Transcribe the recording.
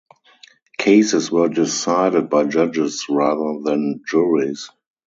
Cases were decided by judges rather than juries.